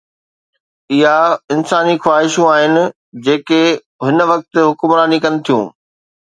اها انساني خواهشون آهن جيڪي هن وقت حڪمراني ڪن ٿيون.